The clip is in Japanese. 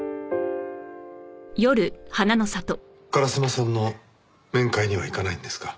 烏丸さんの面会には行かないんですか？